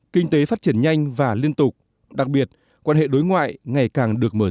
kinh tế phát triển nhanh và liên tục đặc biệt quan hệ đối ngoại ngày càng được mở rộng